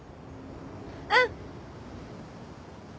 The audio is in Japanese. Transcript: うん。